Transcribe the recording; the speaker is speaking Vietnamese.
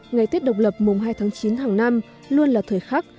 ngày tết độc lập mùng hai tháng chín hàng năm luôn là thời khắc